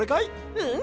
うん！